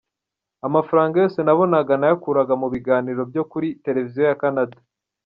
Amafaranga yose nabonaga nayakuraga mu biganiro byo kuri televiziyo ya Canada.